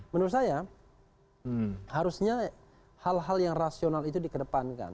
menurut saya harusnya hal hal yang rasional itu dikedepankan